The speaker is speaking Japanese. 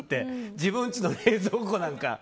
自分ちの冷蔵庫なんか。